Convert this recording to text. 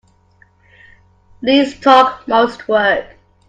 Least talk most work.